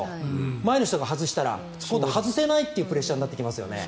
前の人が外したら今度は外せないというプレッシャーになってきますよね。